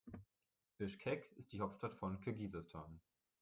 Bischkek ist die Hauptstadt von Kirgisistan.